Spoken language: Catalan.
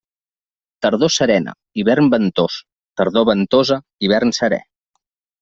Tardor serena, hivern ventós; tardor ventosa, hivern seré.